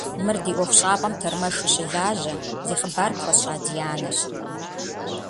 Мыр ди ӏуэхущӏапӏэм тэрмэшу щылажьэ, зи хъыбар пхуэсщӏа Дианэщ.